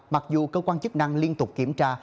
mặc dù cơ quan chức năng liên tục kiểm tra